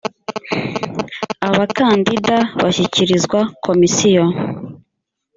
abakandida bashyikirizwa komisiyo.